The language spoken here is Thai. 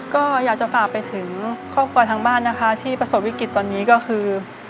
ก็อยากจะฝากไปถึงครอบครัวทางบ้านนะคะที่ประสบวิกฤตตอนนี้ก็คือ